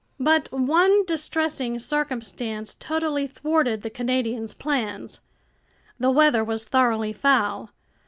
But one distressing circumstance totally thwarted the Canadian's plans. The weather was thoroughly foul.